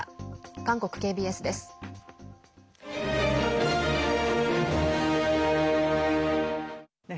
韓国ＫＢＳです。